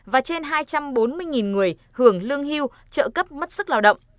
và trên hai trăm bốn mươi người hưởng lương hưu trợ cấp mất sức lao động